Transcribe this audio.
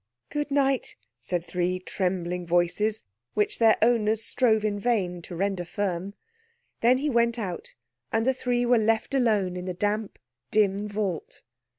"Good night," said three trembling voices, which their owners strove in vain to render firm. Then he went out, and the three were left alone in the damp, dim vault.